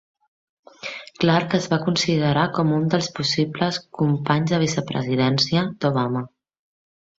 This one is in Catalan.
Clark es va considerar com un dels possibles companys de vicepresidència d'Obama.